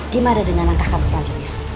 gimana dengan langkah kamu selanjutnya